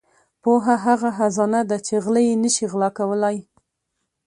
• پوهه هغه خزانه ده چې غله یې نشي غلا کولای.